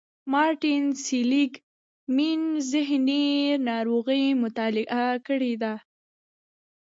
مارټين سېليګ مېن ذهني ناروغۍ مطالعه کړې دي.